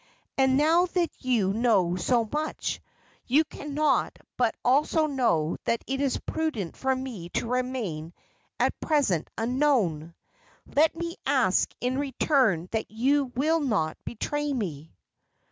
And now that you know so much, you cannot but also know that it is prudent for me to remain at present unknown. Let me ask in return that you will not betray me."